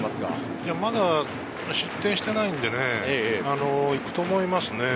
まだ失点していないので行くと思いますね。